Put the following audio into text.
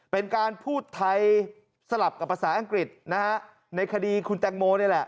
เป็นการพูดไทยสลับกับภาษาอังกฤษนะฮะในคดีคุณแตงโมนี่แหละ